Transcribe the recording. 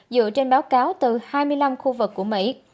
dựa trên báo cáo từ hai mươi năm khu vực của mỹ